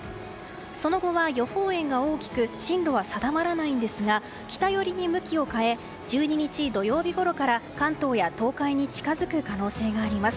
その後は予報円が大きく進路は定まらないんですが北寄りに向きを変え１２日土曜日ごろから関東や東海に近づく可能性があります。